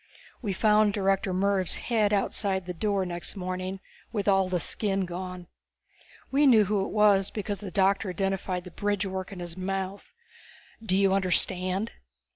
We found Director Mervv's head outside the door next morning with all the skin gone. We knew who it was because the doctor identified the bridgework in his mouth. _Do you understand?